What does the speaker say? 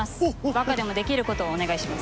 バカでもできることお願いします。